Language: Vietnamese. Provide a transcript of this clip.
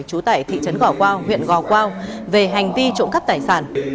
chú tải thị trấn ngò quao huyện ngò quao về hành vi trộm cắp tài sản